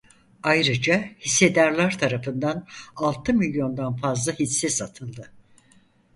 Ayrıca hissedarlar tarafından altı milyondan fazla hisse satıldı.